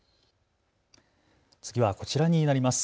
次はこちらになります。